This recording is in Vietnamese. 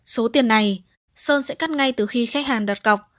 số tiền này sơn sẽ cắt ngay từ khi khách hàng đặt cọc